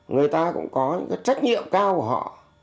người ta cũng có những cái trách nhiệm cao của họ